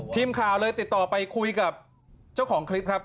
ทีมข่าวเลยติดต่อไปคุยกับเจ้าของคลิปครับ